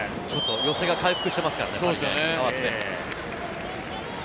寄せが回復してますからね、代わって。